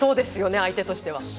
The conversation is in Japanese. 相手としては。